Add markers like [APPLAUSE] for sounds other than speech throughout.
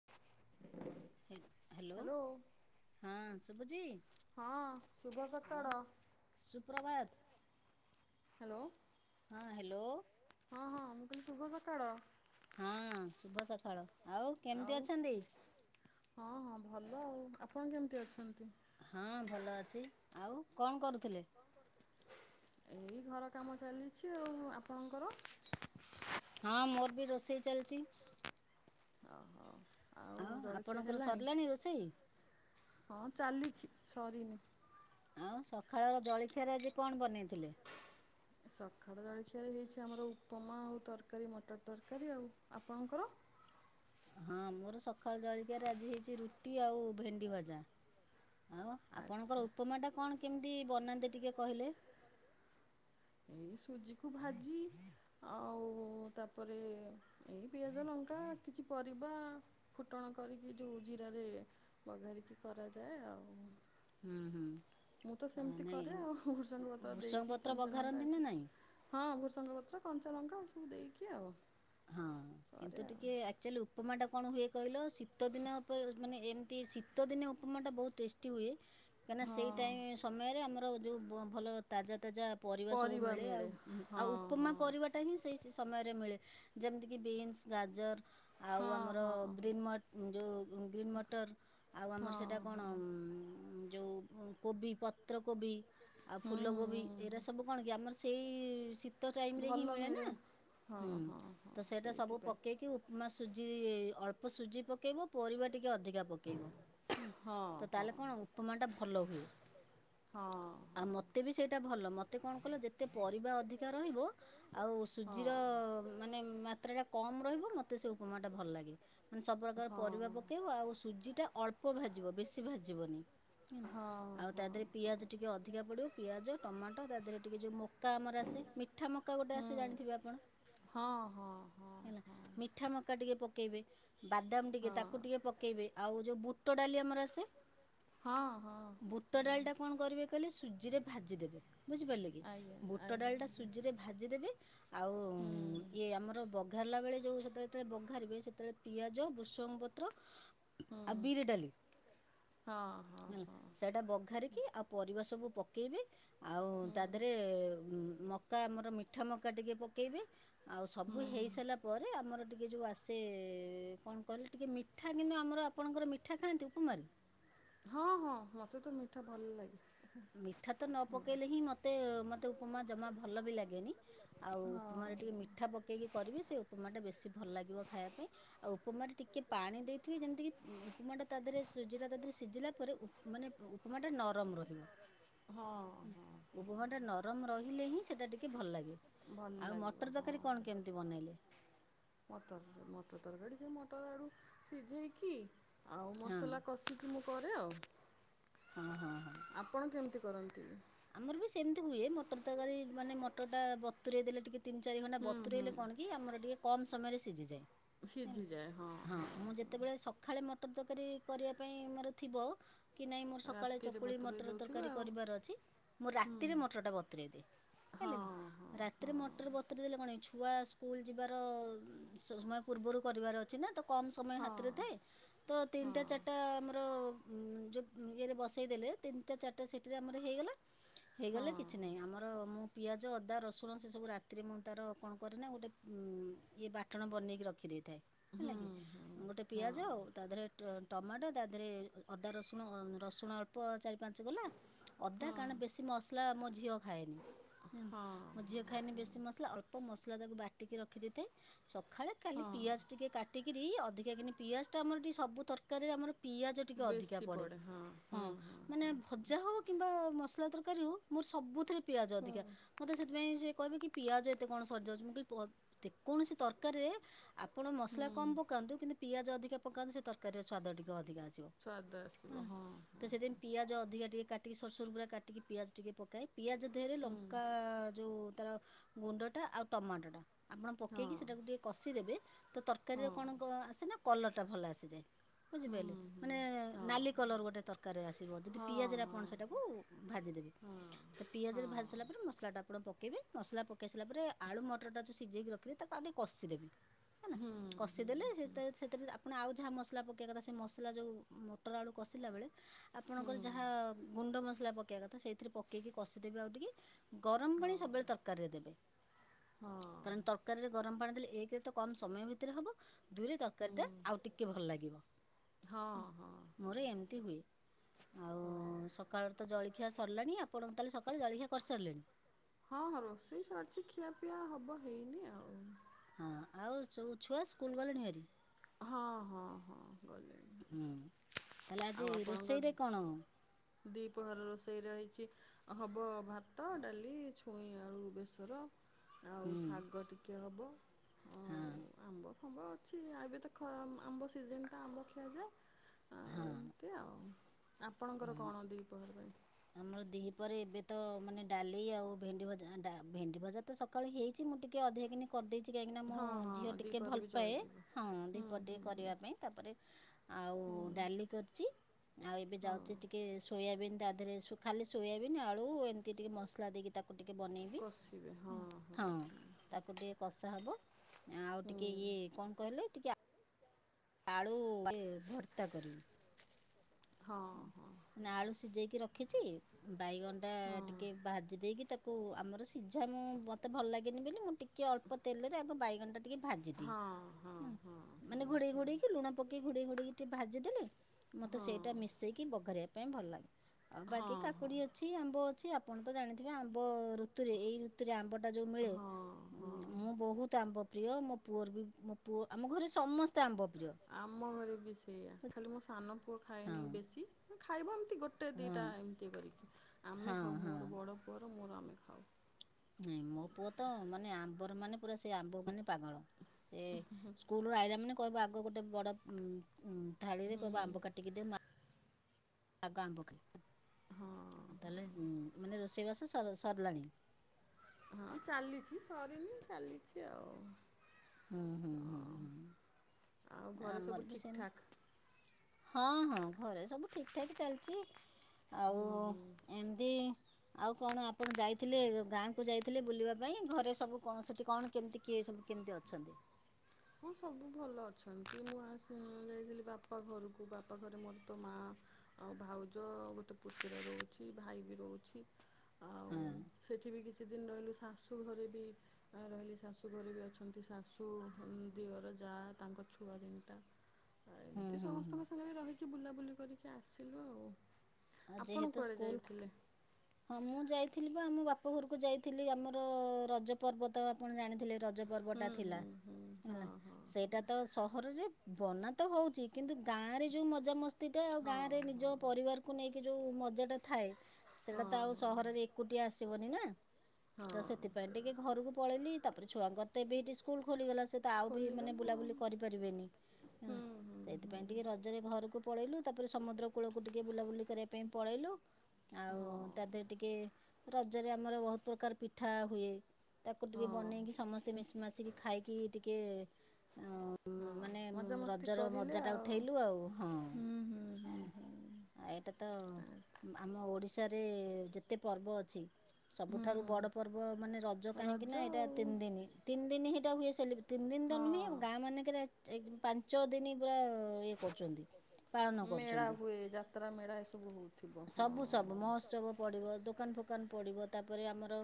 [INAUDIBLE] ହେ hello hello ହ ଶୁବୁଚି? ହଁ ଶୁଭ ସକାଳ। ସୁପ୍ରଭାତ୍। ହାଲୋ। ହଁ ହାଲୋ। ହଁ ହଁ ମୁଁ କଇଲି ଶୁଭ ସକାଳ। ହଁ ଶୁଭ ସକାଳ ଆଉ କେମିତି ଅଛନ୍ତି? ହଁ ହଁ ଭଲ ଆଉ। ଆପଣ କେମିତି ଅଛନ୍ତି? ହଁ ଭଲ ଅଛି ଆଉ କଣ୍ କରୁଥିଲେ? ଏଇ ଘର କାମ ଚାଲିଛି ଆଉ। ଆପଣଙ୍କର? ହା ମୋର୍ ବି ରୋଷେଇ ଚାଲିଛି। ଓହୋ। ଆଉ ଜଳଖିଆ ଆପଣଙ୍କର ହେଲାଣି? ସରିଲାଣି ରୋଷେଇ? ହଁ ଚାଲିଚି ସରିନି। ଆଉ ସକାଳର ଜଳିଖିଆରେ ଆଜି କଣ୍ ବନେଇଥିଲେ? ସକାଳ ଜଳଖିଆରେ ହେଇଛି ଆମର ଉପମା ଆଉ ତର୍କାରୀ ମଟର ତର୍କାରୀ ଆଉ। ଆପଣଙ୍କର? ହଁ ମୋର୍ ସକାଳ ଜଳଖିଆରେ ଆଜି ହେଇଛି ରୁଟି ଆଉ ଭେଣ୍ଡି ଭଜା। ଆଉ ଆପଣଙ୍କର ଆଚ୍ଛା ଉପମା ଟା କଣ୍ କେମିତି ବନାନ୍ତି ଟିକେ କହିଲେ? ଏଇ ସୁଜି କୁ ଭାଜି ଆଉ ତାପରେ ଏଇ ପିଆଜ ଲଙ୍କା କିଛି ପରିବା ଫୁଟଣ କରିକି ଯୋଉ ଜିରାରେ ବଘାରିକି କରାଯାଏ ଆଉ। ହୁଁ ହୁଁ। ମୁଁ ତ ଆ, ସେମିତି ନାଇଁ କରେ ଆଉ ଭୃସଙ୍ଗ ପତ୍ର ଭୃଷଙ୍ଗ ଦେଇକି ପତ୍ର କଞ୍ଚା ଲଙ୍କା ବଘାରନ୍ତି ନା ନାଇଁ? ହଁ ଭୃସଙ୍ଗ ପତ୍ର କଞ୍ଚା ଲଙ୍କା ଏସବୁ ଦେଇକି ଆଉ। ହଁ କରେ କିନ୍ତୁ ଆଉ। ଟିକେ ଆଇ ଅଚୁଲ୍ୟ ଉପମାଟା କଣ ହୁଏ କଇଲ ଶୀତ ଦିନ ଅବ ଅ ମାନେ ଏମିତି ଶୀତ ଦିନେ ଉପମାଟା ବହୁତ୍ ଟେଷ୍ଟ୍ ଟି ଉଏ କାଇଁକିନା ସେଇ ହଁ ଟାଇ ସମୟରେ ଆମର ଯେଉଁ ଭଲ ତାଜା ତାଜା ପରିବା ସବୁ ମିଳେ ଆଉ ଆଉ ଉପମା ପରିବା ତା ହିଁ ସେଇ ସ ସମୟରେ ମିଳେ ଯେମତି କି ବିନ୍ସ୍ ଗାଜର୍ ଆଉ ହଁ ଆମର ହଁ। ଗ୍ରୀନ୍ ମଟ୍ ଯୋଉ ଗ୍ରୀନ୍ ମଟର୍ ଆଉ ହଁ ଆମର ସେଟା କଣ ହଁ ଉଁ ଯୋଉ କୋବି ପତ୍ରକୋବି ଆଉ ହୁଁ ଫୁଲକୋବି ଏଇରା ସବୁ କଣ କି ଆମର୍ ସେଇ ଶୀ ତ ଯାଇମ୍ ହୁଁ ରେ ହିଁ ଭଲ ମିଳେ ନାଁ ହଁ ହୁଁ। ହଁ ହଁ ତ ସେଟା ସବୁ ସେଇଥିପାଇଁ ପକେଇକି ଉପ୍ମା ସୁଜି ଅଳ୍ପ ସୁଜି ପକେଇବ ପରିବା ଟିକେ ଅଧିକା ପକେଇବ ହଁ ତ ତାହେଲେ ହଁ। କଣ ଉପମା ଟା ଭଲ ହୁଏ। ହଁ ଆ ମତେ ବି ସେଇଟା ଭଲ ମତେ କଣ କଲ ଯେତେ ପରିବା ଅଧିକା ରହିବ ଆଉ ହଁ ସୁଜିର ମାନେ ମାତ୍ରା ଟା କମ୍ ରହିବ ମତେ ସେ ଉପମା ଟା ଭଲ୍ ଲାଗେ ମାନେ ସବୁପ୍ରକାର ପରିବା ହଁ ପକେଇବ ଆଉ ସୁଜିଟା ଅଳ୍ ପ ଭାଜିବ ବେଶି ଭାଜିବନି ହଁ ଆଉ ହଁ ତା ଦେଅରେ ପିଆଜ ଟିକେ ଅଧିକା ପଡ଼ିବ ପିଆଜ ଟମାଟ ତା ଦେଅରେ ଟିକେ ଯୋଉ ମକା ଆମର ଆସେ ମି ଠା ମକା ଗୋଟେ ହଁ ଆସେ ଜାଣିଥିବେ ଆପଣ? ହଁ ହଁ ହଁ। ହେଲା ହଁ ମିଠା ମକା ଟିକେ ପକେଇବେ ବାଦାମ ଟିକେ ହଁ ତାକୁ ଟିକେ ପ କେଇବେ ଆଉ ଯୋଉ ବୁଟ ଡାଲି ଆମର ଆସେ। ହଁ ହଁ। ବୁଟ ଡାଲି ଟା କଣ କରିବେ କହିଲେ ସୁଜି ରେ ଭାଜିଦେବେ ବୁଝିପାରିଲେ କି? ଆଜ୍ଞା ବୁଟ ଡାଲି ଟା ସୁଜିରେ ଭାଜିଦେବେ ଆଉ ହୁଁ। ଇଏ ଆମର ବଘାରିଲା ବେଳେ ଯୋଉ ସେତେବେଳେ ବଘାରିବେ ସେତେବେଳେ ପିଆଜ ବୃଷଙ୍ଗ ପତ୍ର। ଆଉ ବିରି ଡାଲି ହଁ ହେଲା। ହଁ ସେଇଟା ବଘାରିକି ଆଉ ପରିବା ସବୁ ପକେଇବେ ଆଉ ତା ଦେହରେ ଉ ମ କା ଆମର ମିଠା ମକା ଟିକେ ପକେଇବେ ଆଉ ସବୁ ହେଇସାରିଲା ପରେ ଆମର ଟିକେ ଯଉ ଆସେ ସେ କଣ କହିଲ ଟିକେ ମିଠା କିନ୍ତୁ ଆମର ଆପଣଙ୍କର ମିଠା ଖାଆନ୍ତି ଉପମାରେ? ହଁ ହଁ ମୋତେ ତ ମିଠା ଭଲ ଲାଗେ। ମିଠା ତ ନ ପକେଇଲେ ହିଁ ମତେ ମତେ ଉପମା ଜମା ଭଲ ବି ଲାଗେନି। ଆଉ ଉପମାରେ ହଁ ଟିକେ ମିଠା ପକେଇକି କରିବେ ସେ ଉପମାଟା ବେଶୀ ଭଲ ଲାଗିବ ଖାଇବା ପାଇଁ। ଆଉ ଉପମାରେ ଟିକେ ପାଣି ଦେଇଥିବେ ଯେମିତି କି ଉଁ ଉପମା ଟା ତା ଦେହରେ ସୁଜି ଟା ତା ଦେହରେ ସିଝିଲା ପରେ ଉ ମାନେ ଉପମା ଟା ନରମ ରହିବ। ହଁ। ହଁ ଉପମା ଟା ନରମ ରହିଲେ ହିଁ ସେଟା ଟିକେ ଭଲ ଲାଗେ ଭଲ ଆଉ ଲାଗିବ ମଟର ତରକାରୀ କଣ ହଁ କେମି ବନେଇଲେ। ମଟର ମଟର ତରକାଡୀ ସେ ମଟର ଆଡୁ ସିଝେଇକି ଆଉ ହଁ ମସଲା କଷିକି ମୁଁ କରେ ଆଉ ହଁ ହଁ ହଁ। ଆପଣ କେମତି କରନ୍ତି? ଆମର ବି ସେମତି ହୁଏ ମଟର ତରକାରୀ ମାନେ ମଟର ଟା ବତୁରେଇଦେଲେ ଟିକେ ତିନି ଚାରି ଘଣ୍ଟା ହୁଁ ବତୁରେଇଲେ ହୁଁ କଣ କି ଆମର ଟିକେ କମ୍ ସମୟରେ ସିଝିଯାଏ। ହେଲା ସିଝିଯାଏ ହଁ। ଯେତେବେଳେ ସଖାଳେ ମଟର ତରକାରୀ କରିବା ପାଇଁ ଆମର ଥିବ। କି ନାଇଁ ମୋର ସକାଳେ ରାତିରେ ଚକୁଳି ବତୁରେଇ ମଟର ଦେଉଥିବେ ତରକାରୀ ଆଉ କରିବାର ଅଛି। ମୁଁ ହୁଁ ରାତିରେ ମଟର ଟା ବତୁରେଇଦିଏ ହଁ ହେଲା ହଁ କି ରାତିରେ ମଟର ବ ତୁରେଇଦେଲେ କଣ କି ଛୁଆ ସ୍କୁଲ ଯିବାର ସ ସମୟ ପୂର୍ବରୁ କରିବାର ଅଛି ନା ତ କମ୍ ସମୟ ହଁ ହାତରେ ଥାଏ ତ ହଁ ତିନିଟା ଚାରିଟା ଆମର ଉଁ ଯୋଉ ଇଏରେ ବସେଇ ଦେଲେ ତିନିଟା ଚାରିଟା ସିଟିରେ ଆମର ହେଇଗଲା। ହେଇଗଲେ ହଁ କିଛି ନାହିଁ ଆମର ମୁଁ ପିଆଜ, ଅଦା, ରସୁଣ ସେସବୁ ରାତିରେ ମୁଁ ତାର କଣ କରେନା ଗୋଟେ ଉମ ଇଏ ବାଟଣ ବନେଇକି ରଖିଦିଏ। ହଁ ହୁଁ ହେଲା କି ହୁଁ ଗୋଟେ ହଁ ପିଆଜ ତା ଦେହରେ ଟମାଟୋ ତା ଦେହରେ ଅଦା, ରସୁଣ ହ ରସୁଣ ଅଳ୍ପ ଚାରି ପାଞ୍ଚ କୋଲା ଅଦା ହଁ କାରଣ ବେଶୀ ମସଲା ମୋ ଝିଅ ଖାଏନି, ହଁ ମୋ ଝିଅ ଖାଏନି ବେଶୀ ମସଲା ଅଳ୍ପ ମସଲା ତାକୁ ବାଟିକି ରଖି ଦେଇଥାଏ ସଖାଳେ ଖାଲି ହଁ ପିଆଜ ଟିକେ କାଟିକିରି ଅଧିକା କିିନି ପିଆଜ ଟା ଆମର ଟିକେ ସବୁ ତରକାରୀ ଆମର ପିଆଜ ଟିକେ ଅଧିକା ବେଶୀ ପଡେ ପଡ଼େ ହଁ ହୁଁ ହୁଁ ମାନେ ଭଜା ହଉ କିମ୍ବା ମସଲା ତରକାରୀ ହଉ ମୋର ସବୁଥିରେ ପିଆଜ ହୁଁ ଅଧିକା। ମତେ ସେଥିପାଇଁ ସେ କହିବେ କି ପିଆଜ ଏତେ କଣ ସରିଯାଉଛି ମୁଁ କହିଲି ଯେକୌଣସି ତରକାରୀରେ ଆପଣ ମସଲା ହୁଁ କମ୍ ପକାନ୍ତୁ କିନ୍ତୁ ପିଆଜ ଅଧିକା ପକାନ୍ତୁ ସେ ତରକାରୀର ସ୍ଵାଦ ଟିକେ ଅଧିକା ଆସିବ। ସ୍ବାଦ ଆସିବ ହଁ ତ ହଁ। ସେଥିପାଇଁ ପିଆଜ ଅଧିକା ଟିକେ କାଟିକି ସରୁ ସରୁ ପୁରା କାଟିକି ପିଆଜ ଟିକେ ପକାଏ। ପିଆଜ ଦେହରେ ହୁଁ ଲଙ୍କା ଯୋଉ ତାର ଗୁଣ୍ଡ ଟା ଆଉ ଟମାଟୋ ଟା। ଆପଣ ହଁ ପକେଇକି ସେଟାକୁ ଟିକେ କଷିଦେବେ ତ ତରକାରୀର ହଁ କଣ କ ଆସେ ନା କଲର ଟା ଭଲ ଆସିଯାଏ, ହୁଁ ବୁଝିପାଇଲେ ହୁଁ ମାନେ ହଁ ନାଲି କଲର ଗୋଟେ ତର କାରୀରେ ଆସିବ ହଁ ଯଦି ପିଆଜ ରେ ହଁ ଆପଣ ସେଟାକୁ ଭାଜିଦେବେ। ହଁ ତ ପିଆଜ ହଁ ରେ ଭାଜି ସାରା ପରେ, ମସଲାଟା ଆପଣ ପକେଇବେ। ମସଲା ପକେଇ ସାରଲା ପରେ, ଆଳୁ ମଟର ଟା ଯ ସିଝେଇକି ରଖ୍ ତାକୁ ଆଗ କଷିଦେବେ ହେ ହୁଁ ହୁଁ କଷିଦେଲେ ହୁଁ ସେଥିରେ ଆପଣ ଆଉ ଯାହା ମସଲା ପକେଇବା କଥା ସେ ମସଲା ଯୋଉ, ମଟର ଆଳୁ କଷିଲା ବେଳେ ହୁଁ ଆପଣଙ୍କର ଯାହା ଗୁଣ୍ଡ ମସଲା ପକେଇବା କଥା। ସେଇଥିରେ ପକେଇକି କଷିଦେବି ଆଉ ଟିକେ। ଗରମ ପାଣି ହଁ ସବୁବେଳେ ତରକାରୀରେ ଦେବେ, ହଁ କାରଣ ରେ ଗରମ ପାଣି ଦେଲେ, ଏକ ରେ ସମୟ ଭିତରେ ହବ। ଦୁଇରେ ତରକାରୀ ଟା ହୁଁ ଆଉ ଟିକେ ଭଲ ଲାଗିବ। ହଁ ହଁ ହଁ ମୋର ଏମିତି ହୁଏ। ଆଉ ହଁ ସକାଳ ତ ଜଳ ଖିଆ ସିରିଲାଣି। ଆପଣ ତାହେ ସକାଳ ଜଳଖିଆ କରିସାରିଲେଣି। ହଁ, ହଁ ରୋଷେଇ ସରିଛି ଖିଆପିଆ ହବ ହେଇନି ଆଉ। ହଁ। ଆଉ ସ ଛୁଆ, ସ୍କୁଲ ଗଲେଣି ଭାରି? ହଁ, ହଁ, ହଁ। ଗଲେଣି ଭାରି। ହେଲା ଆଜି ରୋଷେଇରେ କଣ? ଦୀପହର ରୋଷେଇ ରହିଛି ହବ ଭାତ, ଡାଲି, ଛୁଇଁ ଆଳୁ ବେସର। ଆଉ ହୁଁ ଶାଗ ଟିକେ ହବ ହଁ ଆଉ ଆମ୍ବ ଫମ୍ବ ଅଛି ଏବେ ତା ଖରା ଆମ୍ବ ସିଜନ୍ ଟା, ଆମ୍ବ ଖିଆଯାଏ ଆଉ ହଁ ଏମିତି ଆଉ। ଆପଣଙ୍କର ହୁଁ କଣ? ଦି ପହର ପାଇଁ। ଆମର ଦିହି ପରେ, ଏବେ ତ ମାନେ ଡାଲି ଆଉ ଭେଣ୍ଡି ଭଜା। ଭେଣ୍ଡି ଭଜା ତ ସକାଳ ହେଇଛି, ମୁଁ ଟିକେ ଅଧିକକିନି କରିଦେଇଛି କାହିଁକିନା ମୋ ହଁ ହଁ ଝିଅ ଟିକେ ଦିପହରେ ଭଲ ବି ପାଏ ଚଳିଯିବ ହଁ, ହୁଁ ଦୀପ ଟିକେ ହୁଁ ହୁଁ କରିବା ପାଇଁ ତାପରେ ଆଉ ହୁଁ ଡାଲି କରିଛି। ଆଉ ଏବେ ଯାଉ ହଁ। ଟିକେ ସୋୟାବିନ୍ ତା ଦେହରେ। ଖାଲି ସୋୟାବିନ୍, ଆଳୁ ଏମିତି ଟିକେ ମସଲା ଦେଇକି ତାକୁ ଟିକେ ବନେଇବି। ହଁ ତାକୁ ଟିକେ କଷା ହବ। ଆଉ ଟିକେ ହୁଁ ଇଏ। କଣ କହିଲେ? ଟିକେ ଆଳୁ ଭର୍ତ୍ତା କରିବି। ହଁ ହଁ ନା ଆଳୁ ସିଜେଇକି ରଖିଚି ବାଇଗଣ ଟା ଟିକେ ଭାଜି ଦେଇକି ତାକୁ କୁ ଆମର ସିଝା ମୁଁ ମତେ ଭଲ ଲାଗେନି ବେଲି ମୁଁ ଟିକେ ଅଳ୍ପ ତେଲେରେ ଆଗ ବାଇଗଣ ଟା ଟିକେ ହଁ ଭାଜିଦିଏ ଉଁ ହଁ ମାନେ ଘୋଡେଇ ଘୋଡେଇକି ଲୁଣ ପକେଇ ଘୋଡେଇ ଘୋଡେଇକି ଟିକେ ଭାଜିଦେଲେ ହଁ ହଁ ହଁ ହଁ ମତେ ହଁ ସେଇଟା ମିଶେଇକି ବ କରିବା ପାଇଁ ଭଲ ଲାଗେ ଆଉ ବାକି ହଁ ହଁ କାକୁଡି ଅଛି ଆମ୍ବ ଅଛି ଆପଣ ତ ଜାଣିଥିବେ ଆମ୍ବ ଋତୁରେ ଏଇ ଋତୁରେ ଆମ୍ବ ଟା ଯୋଉ ମିଳେ ହଁ ହଁ ମୁଁ ବହୁତ ଆମ୍ବ ପ୍ରିୟ ମୋ ପୁଅର ବି ମୋ ପୁଅ ଆମ ଘରେ ସମସ୍ତେ ଆମ୍ବ ପ୍ରିୟ। ଆମ ଘରେ ବି ସେଇଆ ଖାଲି ମୋ ସାନ ପୁଅ ହଁ ଖାଏନି ବେଶୀ ଖାଇବ ଏମତି ଗୋ ଟେ ହଁ ଦିଟା ଏମତି କରିକି ହଁ ଆମେ ଖାଉ ହଁ ମୋର ବଡ଼ ପୁଅର ମୋର ଆମେ ଖାଉ। ନାଇଁ ମୋ ପୁଅ ତ ମାନେ ଆମ୍ବର ମାନେ ପୁରା ସେ ଆମ୍ବ ମାନେ ପାଗଳ ସେ। ସ୍କୁଲରୁ ଆଇଲା ମାନେ କହିବ ଆଗ ଗୋଟେ ବଡ଼ ଉଁ ଥାଳିରେ ହୁଁ କହିବ ଆମ୍ବ କାଟିକି ଦେ ମୁଁ ଆ ଆଗ ଆମ୍ବ ଖାଇବି। ହଁ ହଁ ହଁଚାଲିଛି ସରିନି ଚାଲିଚି ଆଉ। ହୁଁ ହୁଁ। ହୁଁ ହଁ ହୁଁ ଆଉ ଘରେ ଆମର ସବୁ ବି ଠିକ୍ ଠାକ୍ ସେମତି ହଁ ହଁ ଘରେ ସବୁ ଠିକ୍ ଠାକ୍ ଚାଲଚି। ଆଉ ହୁଁ ହୁଁ ଏମତି। ଆଉ କଣ ଆପଣ ଯାଇଥିଲେ ଗାଁ କୁ ଯାଇଥିଲେ ବୁଲିବା ପାଇଁ ଘରେ ସବୁ କଣ ସେଠି କଣ କେମିତି? କିଏ ସବୁ କେମତି ଅଛନ୍ତି? ହଁ ସବୁ ଭଲ ଅଛନ୍ତି ମୁଁ ଆ ସେ ଯାଇଥିଲି ବାପା ବାପା ଘରୁକୁ ବାପା ଘରେ ମୋର ତ ମା ଆଉ ଭାଉଜ ଗୋଟେ ପୁତୁରା ରହୁଛି ଭାଇ ବି ରହୁଛି। ଆଉ ହଁ ସେଠି ବି କିଛି ଦିନ ରହିଲୁ ଶାଶୁ ଶୁଘରେ ବି ରହିଲି ଶାଶୁଘରେ ବି ଅଛନ୍ତି ଶାଶୁ ଦିଅର ଜା ତାଙ୍କ ଛୁଆ ତିନିଟା ହୁଁ ଏମିତି ହୁଁ ହୁଁ ସମସ୍ତଙ୍କ ସାଙ୍ଗରେ ରହି କି ବୁଲାବୁଲି କରିକି ଆସିଲୁ ଆଉ ଆଉ ଆପଣ ଯେହେତୁ କୁଆଡେ ସ୍କୁଲ ଯାଇଥିଲେ? ହଁ ମୁଁ ଯାଇଥିଲି ବା ଆମ ବାପ ଘରୁକୁ ଯାଇଥିଲି ଆମର ରଜ ପର୍ବ ତ ଆପଣ ଜାଣିଥିଲେ ର ରଜ ହୁଁ ପର୍ବଟା ଥିଲା ହୁଁ ହୁଁ ହଁ ହେଲା ହଁ ସେଇଟା ତ ସହରରେ ବନା ତ ହଉଚି କିନ୍ତୁ ଗାଁ ରେ ଯୋଉ ମଜାମସ୍ତି ଟା ଆଉ ହଁ ଗାଁ ରେ ହଁ ହଁ ନିଜ ପରିବାର ନେଇକି ଯୋଉ ମଜା ଟା ଥାଏ ସେଇଟା ହଁ ତ ଆଉ ସହରରେ ଏକୁଟିଆ ଆସିବନି ନା। ହଁ ତ ହଁ ସେଥିପାଇଁ ସେଇଆ। ଟିକେ ଘରୁକୁ ପଳେଇଲି ତାପରେ ଛୁଆଙ୍କର ତ ଏବେ ଏଇଠି ସ୍କୁଲ ଖୋଲିଗଲା ସେ ତ ଆଉ ବି ମାନେ ଖୋଲିଗଲା ଆଉ ବୁଲାବୁଲି କରିପାରିବେନି। ନା ହୁଁ ନା ହୁଁ ସେଇଥିପାଇଁ ଟିକେ ହୁଁ ରଜରେ ଘରୁକୁ ପଳେଇଲୁ ତାପରେ ସମୁଦ୍ର କୂଳକୁ ଟିକେ ବୁଲାବୁଲି କରିବା ପାଇଁ ପଳେଇଲୁ। ଆଉ ହଁ ତା ଦେହରେ ଟିକେ ରଜରେ ଆମର ବହୁତ ପ୍ରକାର ପିଠା ହୁଏ। ତାକୁ ଟିକେ ହଁ ବନେଇକି ସମସ୍ତେ ମିଶି ମାଶିିକି ଖାଇକି ଟିକେ ଉଁ ହଁ ମାନେ ମଜାମସ୍ତି ରଜର କରିଲେ ମଜା ଟା ଆଉ ଉଠେଇଲୁ ଆଉ ହଁ। ହୁଁ ହୁଁ ହୁଁ ହୁଁ ଏଇଟା ତ ଆଚ୍ଛା ଆମ ଓଡିଶାରେ ଯେତେ ପର୍ବ ଅଛି ସବୁଠାରୁ ହୁଁ ବଡ ପର୍ବ ମାନେ ରଜ କାହିଁକି ନା ଏଇଟା ତିନି ଦିନି ତିନି ଦିନ ହେଇଟା ହିଁ ହୁଏ ସେଲିବ୍ରେ ତିନି ଦିନ ତ ଆଉ ନୁହେଁ ଗାଁ ମାନେଙ୍କରେ ଏକ ପାଁ ପାଞ୍ଚ ଦିନି ପୁରା ଇଏ କରୁଚନ୍ତି ପାଳନ ହଁ ମେଳା କରୁଚନ୍ତି। ହୁଏ ଯାତ୍ରା ମେଳା ଏସବୁ ହଉଥିବ ହଁ ସବୁ ସବୁ ସବୁ। ମହୋତ୍ସବ ପଡ଼ିବ ଦୋକାନ ଫୋକାନ ପଡ଼ିବ ତାପରେ ଆମର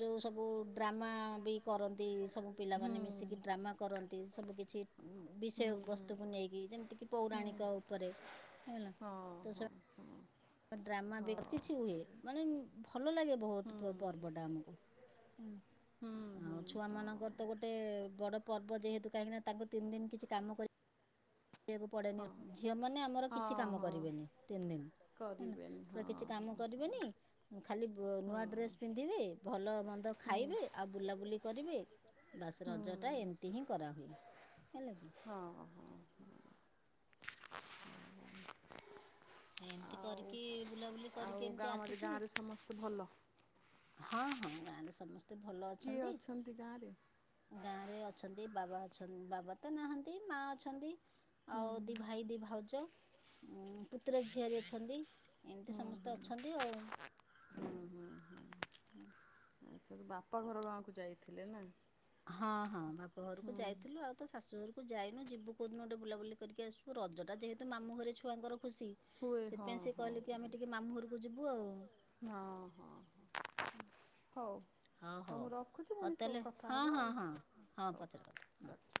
ଯୋଉ ସବୁ ଡ୍ରାମା ବି କରନ୍ତି ସବୁ ପିଲାମାନେ ହୁଁ ମିଶିକି ଡ୍ରାମା କରନ୍ତି ସବୁ କିଛି ବିଷୟ ହୁଁ ହୁଁ ବସ୍ତୁକୁ ନେଇକି ଯେମତିକି ହୁଁ ପୌରାଣିକ ଉପରେ। ହେଲା ହଁ, ତ ସେ ହଁ। ହଁ ଡ୍ରାମା ବି ହଁ କିଛି ହୁଏ ମାନେ ଭଲ ଲାଗେ ହୁଁ ବହୁତ ପର୍ବଟା ଆମକୁ। ହୁଁ ହୁଁ ଆଉ ଛୁଆ ହଁ ମାନଙ୍କର ତ ଗୋଟେ ବଡ ପର୍ବ, ଯେହେତୁ କାହିଁକି ନା ତାଙ୍କୁ ତିନି ଦିନି କିଛି କାମ କରି କୁ ପଡେନି, ହଁ ଝିଅ ମାନେ ଆମର କିଛି ହଁ କାମ ହଁ କରିବେନି ତିନି ଦିନ। ହେଲା କରିବେନି ହଁ ପୁରା କିଛି ହଁ କାମ କରିବେନି। ଖାଲି ବ ହଁ ନୂଆ ଡ୍ରେସ ପିନ୍ଧିବେ, ଭଲ ମନ୍ଦ ହୁଁ ଖାଇବେ, ଆଉ ବୁଲାବୁଲି କରିବେ। ବାସ ରଜ ହୁଁ ଟା ଏମିତି ହିଁ କରାହୁୁଏ, ହେଲା କି। ହଁ ହଁ ହଁ। [UNINTELLIGIBLE] ଆଉ ଏମିତି କରିକି ବୁଲାବୁଲି କରିକି ଆଉ ଗାଁ ଏମିତି ମାନେ ଆସିଛୁ ଗାଁ ରେ ସମସ୍ତେ ଭଲ? ହଁ, ହଁ ଗାଁରେ ସମସ୍ତେ ଭଲ କିଏ ଅଛନ୍ତି। ଗାଁରେ? ଗାଁ ରେ ଅଛନ୍ତି, ବାବା ଅଛନ୍ତି ବାବା ତ ନାହାନ୍ତି, ମା ଅଛନ୍ତି ହୁଁ ଆଉ ଭାଇ, ଦି ଭାଉଜ, ପୁତୁରା, ଝିଆରୀ ଅଛନ୍ତି। ଏମିତି ହୁଁ ହୁଁ। ସମସ୍ତେ ଅଛନ୍ତି ଆଉ। [UNINTELLIGIBLE] [INAUDIBLE] ବାପା ଘର ଗାଁକୁ ଯାଇଥିଲି ନାଁ? ହଁ, ହଁ ବାପ ଘରକୁ ଯାଇଥିଲୁ ଆଉ ଶାଶୁ ଘରକୁ ଯାଇନୁ ଯିବୁ କଉଦିନ ଗୋଟେ ବୁଲାବୁଲି କରିକି ଆସିବୁ। ରଜଟା ଯେହେତୁ ମାମୁଁ ଘରେ ଛୁଆଙ୍କର ଖୁସି। ହୁଏ ହଁ ସେଥିପାଇଁ ସେ ହଁ। କହିଲେ କି ଆମେ ହୁଏ ଟିକେ ମାମୁଁ ଘରକୁ ଯିବୁ ଆଉ। ହଁ, ହଁ ହଉ। ହଉ ମୁଁ ରଖୁଛି, ହଉ ପୁଣି କ ତାହେଲେ କଥା ହଁ ହବା ହଁ ଆଉ ହଁ ହଁ ହଉ ପଛରେ କଥା ହଁ। ରଖ।